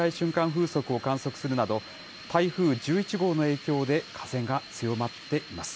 風速を観測するなど、台風１１号の影響で風が強まっています。